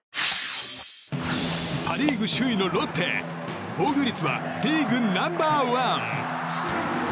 パ・リーグ首位のロッテ防御率はリーグナンバー１。